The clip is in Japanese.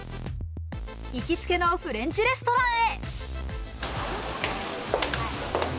行きつけのフレンチレストランへ。